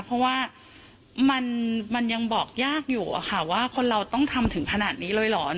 เพราะว่ามันยังบอกยากอยู่ว่าคนเราต้องทำถึงขนาดนี้เลยเหรอ